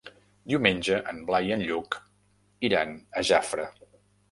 Diumenge en Blai i en Lluc iran a Jafre.